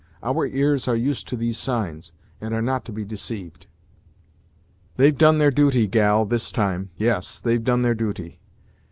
Our ears are used to these signs, and are not to be deceived." "They've done their duty, gal, this time; yes, they've done their duty.